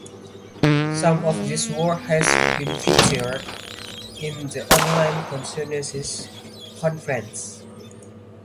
Some of this work has been featured in the Online Consciousness Conference.